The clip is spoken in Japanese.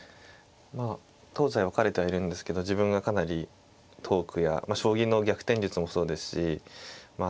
まあ東西分かれてはいるんですけど自分がかなりトークや将棋の逆転術もそうですしまあ